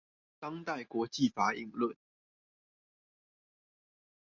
當代國際法引論